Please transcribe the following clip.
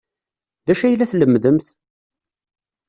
D acu ay la tlemmdemt?